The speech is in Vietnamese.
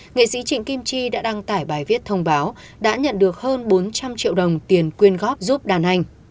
nghệ sĩ trịnh kim chi đã đăng tải bài viết thông báo đã nhận được hơn bốn trăm linh triệu đồng tiền quyên góp giúp đàn anh